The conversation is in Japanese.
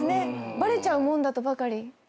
バレちゃうもんだとばかり。